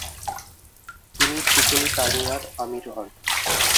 তিনি ত্রিপলিতানিয়ার আমির হন।